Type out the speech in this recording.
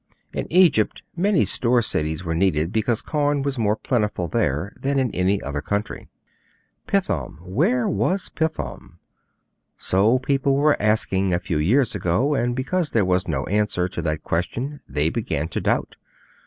In Egypt many store cities were needed because corn was more plentiful there than in any other country. 'Pithom where was Pithom?' So people were asking a few years ago, and because there was no answer to that question they began to doubt.